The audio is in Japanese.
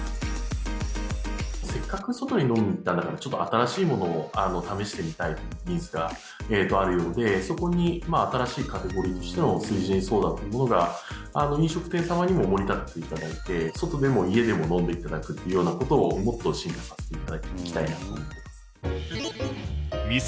せっかく外に飲みに行ったんだからちょっと新しいものを試してみたいニーズがあるようでそこに新しいカテゴリーとしての翠ジンソーダというものが飲食店様にももり立てていただいて外でも家でも飲んでいただくということをもっと進化させていきたいなと思います。